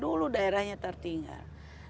dulu daerahnya tertinggal